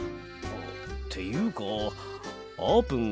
っていうかあーぷん